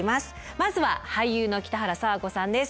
まずは俳優の北原佐和子さんです。